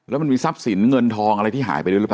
แล้วมันมีทรัพย์สินเงินทองอะไรที่หายไปด้วยหรือเปล่า